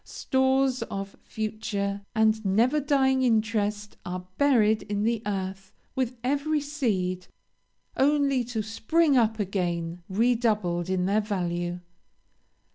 Stores of future and never dying interest are buried in the earth with every seed, only to spring up again redoubled in their value.